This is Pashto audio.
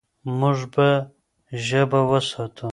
موږ به ژبه وساتو.